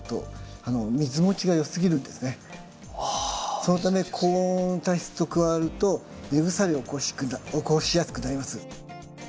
そのため高温多湿と加わると根腐れを起こしやすくなります。